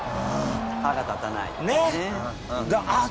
歯が立たない。